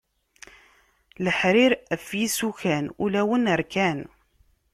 Leḥrir ɣef isukan ulawen rkan.